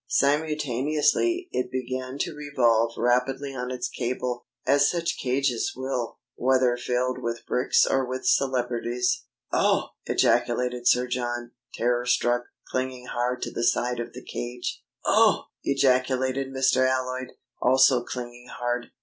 Simultaneously it began to revolve rapidly on its cable, as such cages will, whether filled with bricks or with celebrities. "Oh!" ejaculated Sir John, terror struck, clinging hard to the side of the cage. "Oh!" ejaculated Mr. Alloyd, also clinging hard.